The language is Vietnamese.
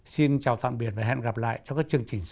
xin chào tạm biệt và hẹn gặp lại trong các chương trình sau